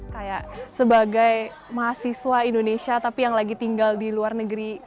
kayak sebagai mahasiswa indonesia tapi yang lagi tinggal di luar negeri